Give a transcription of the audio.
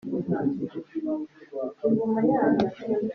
Commender Ian Lafrenière